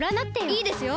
いいですよ